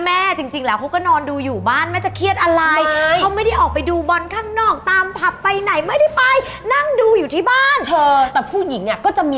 มันนางแบบมีคู่กันอ่ะหนักนี้ด้วยกัน